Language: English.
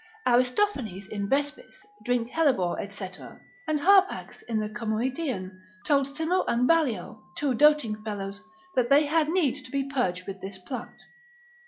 Aristophanes in Vespis, drink hellebore, &c. and Harpax in the Comoedian, told Simo and Ballio, two doting fellows, that they had need to be purged with this plant.